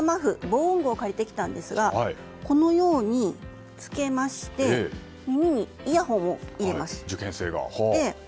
防音具を借りてきたんですがこのように、つけまして耳にイヤホンを入れます。